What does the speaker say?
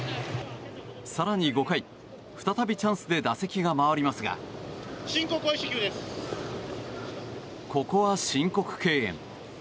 更に５回再びチャンスで打席が回りますがここは申告敬遠。